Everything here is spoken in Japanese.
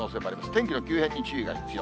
天気の急変に注意が必要。